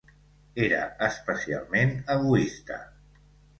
Era especialment egoista.